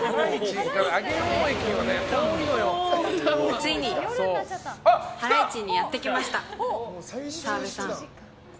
ついに原市にやってきました。